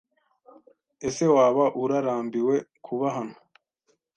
Ese waba Urarambiwe kuba hano?